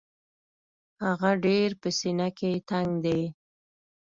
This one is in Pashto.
هغه ډېر په سینه کې تنګ دی.